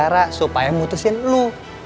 cara supaya memutuskan lo